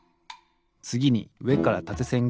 つぎにうえからたてせん